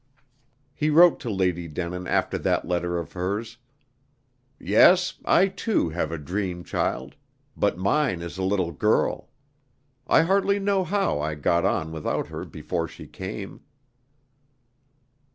He wrote to Lady Denin after that letter of hers: "Yes, I too have a dream child, but mine is a little girl. I hardly know how I got on without her before she came."